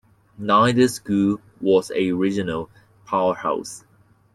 Neither school was a regional powerhouse.